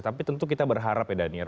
tapi tentu kita berharap ya daniar